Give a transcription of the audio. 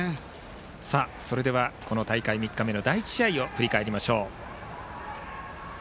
それではこの大会３日目の第１試合を振り返りましょう。